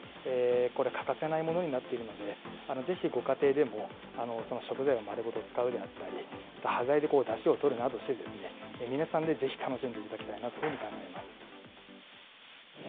これ、欠かせないものになっているので、ぜひご家庭でも、その食材を丸ごと使うであったり、また端材でだしをとるなどして、皆さんでぜひ楽しんでいただきたいなというふうに考えます。